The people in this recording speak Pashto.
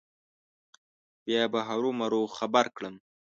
بیا به هرو مرو خبر کړم.